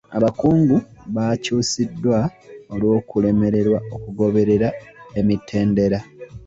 Abakungu baakyusiddwa olw'okulemererwa okugoberera emitendera.